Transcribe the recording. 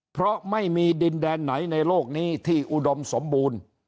เพราะไม่มีดินแดนไหนในโลกนี้ที่อุดมสมบูรณ์